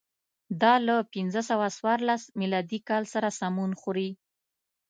دا له پنځه سوه څوارلس میلادي کال سره سمون خوري.